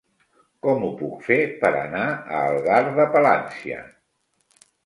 Com ho puc fer per anar a Algar de Palància?